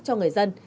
cho người dân